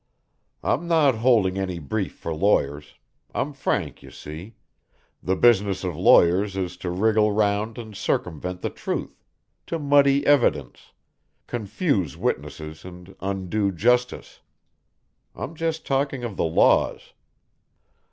I'm not holding any brief for lawyers I'm frank, you see the business of lawyers is to wriggle round and circumvent the truth, to muddy evidence, confuse witnesses and undo justice. I'm just talking of the laws."